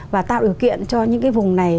và tạo điều kiện cho những cái vùng này